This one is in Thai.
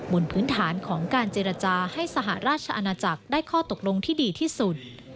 บนพื้นฐานของการเจรจาให้สหราชอาณาจักรได้ข้อตกลงที่ดีที่สุด